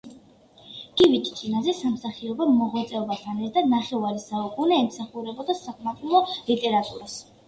გივი ჭიჭინაძე სამსახიობო მოღვაწეობასთან ერთად ნახევარი საუკუნე ემსახურებოდა საყმაწვილო ლიტერატურას.